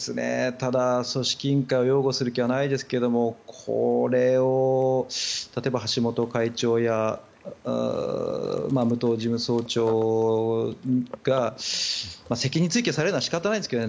ただ、組織委員会を擁護する気はないですがこれを例えば橋本会長や武藤事務総長が責任追及されるのは仕方ないんですけどね。